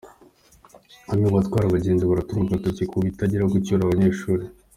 Bamwe mu batwara abagenzi baratungwa agatoki ku kutitabira gucyura abanyeshuri